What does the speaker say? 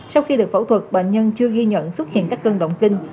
sau khi được phẫu thuật bệnh nhân chưa ghi nhận xuất hiện các cơn động kinh